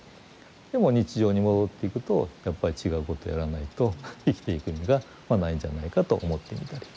でも日常に戻っていくとやっぱり違うことをやらないと生きていく意味がないんじゃないかと思ってみたり。